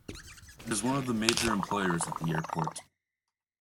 It is one of the major employers at the airport.